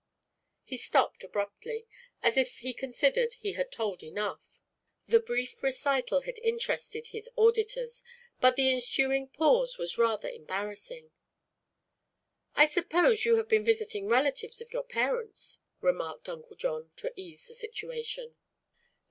He stopped abruptly, as if he considered he had told enough. The brief recital had interested his auditors, but the ensuing pause was rather embarrassing. "I suppose you have been visiting relatives of your parents," remarked Uncle John, to ease the situation.